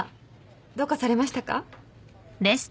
どうかされましたか？